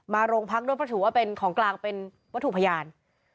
มาโรงพักษณ์ด้วยวัตถุว่าเป็นของกลางเป็นวัตถุพยาน